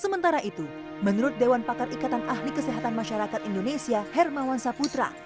sementara itu menurut dewan pakar ikatan ahli kesehatan masyarakat indonesia hermawan saputra